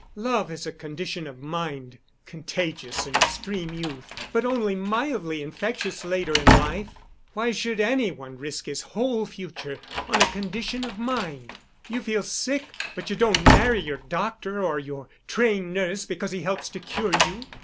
Love is a condition of mind, contagious in extreme youth, but only mildly infectious later in life. Why should any one risk his whole future on a condition of mind? You feel sick but you don't marry your doctor or your trained nurse because he helps to cure you.